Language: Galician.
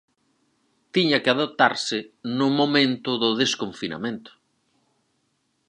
Tiña que adoptarse no momento do desconfinamento.